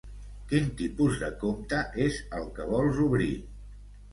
Quin tipus de compte és el que vols obrir?